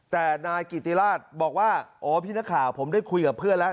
แต่นายกิติราชบอกว่าอ๋อพี่นักข่าวผมได้คุยกับเพื่อนแล้ว